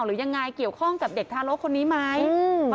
หรือยังไงเกี่ยวข้องกับเด็กทารกคนนี้ไหม